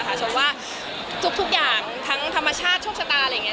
เพราะว่าทุกอย่างทั้งธรรมชาติโชคชะตาอะไรอย่างนี้